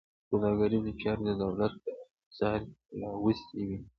سوداګریزې چارې د دولت په انحصار کې راوستې وې.